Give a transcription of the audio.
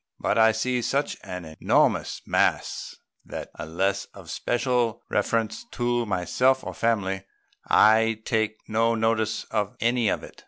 But I see such an enormous mass that, unless of special reference to myself or family, I take no notice of any of it.